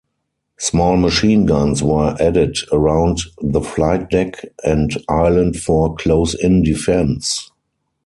Small machine guns were added around the flight deck and island for close-in defence.